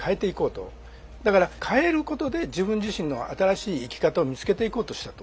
だから変えることで自分自身の新しい生き方を見つけていこうとしたと。